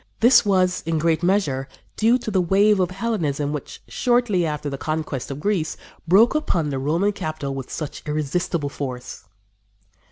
This was, in great measure, due to the wave of Hellenism which, shortly after the conquest of Greece, broke upon the Roman capital with such irresistible force.